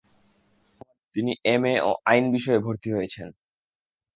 তিনি এমএ ও আইন বিষয়ে ভর্তি হয়েছিলেন।